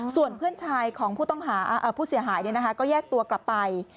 ส่วนเพื่อนชายของผู้เสียหายก็แยกตัวกลับไป